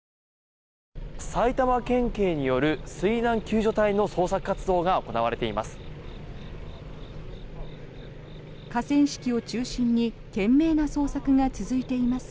埼玉県警による水難救助隊の捜索活動が行われています。